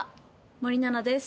森七菜です。